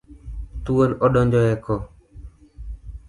Thuol odonjo e koo